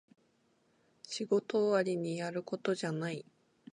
仕事終わりにやることじゃない